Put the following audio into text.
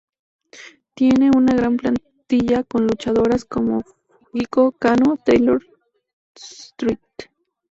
Tiene una gran plantilla con luchadoras como Fujiko Kano, Taylor St.